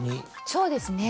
そうですね。